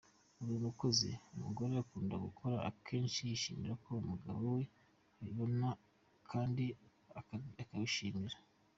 Uri umukozi : Umugore ukunda gukora akenshi yishimira ko umugabo we abibona kandi akabishima.